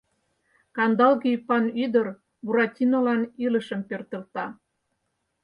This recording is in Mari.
Кандалге ӱпан ӱдыр Буратинолан илышым пӧртылта.